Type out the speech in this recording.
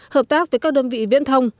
hợp tác với các đơn vị viễn thông